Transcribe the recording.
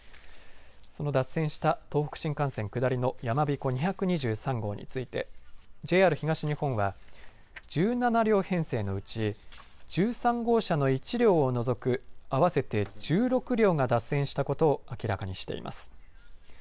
その脱線した東北新幹線、下りのやまびこ２２３号についてＪＲ東日本は１７両編成のうち１３号車の１両を除く合わせて１６両が脱線したことを明らかにしています。